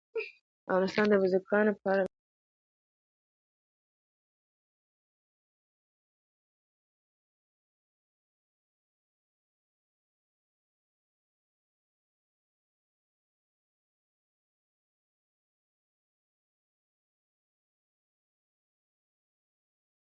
ژبپوهان باید د پښتو لپاره معیار جوړ کړي.